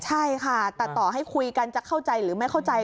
ใช่ค่ะแต่ต่อให้คุยกันจะเข้าใจหรือไม่เข้าใจ